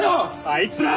あいつら！